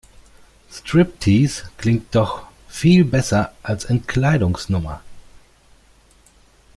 Striptease klingt doch viel besser als Entkleidungsnummer.